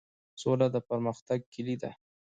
سوله د پرمختګ کیلي ده؟